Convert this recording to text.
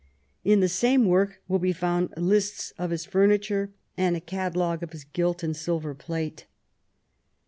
In the same work will be found lists of his furniture and a catalogue of his gilt and silver plate.